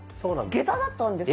下駄だったんですよ。